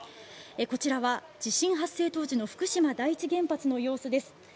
こちらは地震発生当時の福島第一原発の様子です。